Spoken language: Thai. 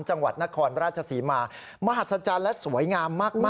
จังหวัดนครราชศรีมามหัศจรรย์และสวยงามมาก